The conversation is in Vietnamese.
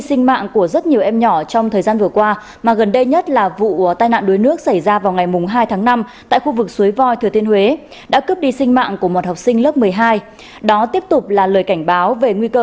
xin chào và hẹn gặp lại trong các bộ phim tiếp theo